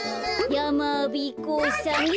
やまびこさんが。